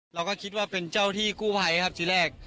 เราก็คิดว่าเป็นเจ้าที่กู้ไพสีแรก